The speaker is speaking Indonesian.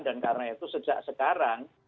dan karena itu sejak sekarang